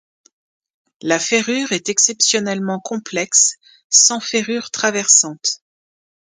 La ferrure est exceptionnellement complexe, sans ferrure traversante.